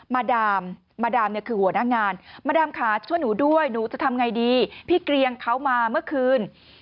มาดามมาดามเนี่ยคือหัวหน้างานมาดามค่ะช่วยหนูด้วยหนูจะทำไงดีพี่เกรียงเขามาเมื่อคืน